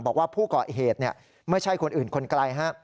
บอกว่าผู้ก่อเหตุไม่ใช่คนอื่นคนไกล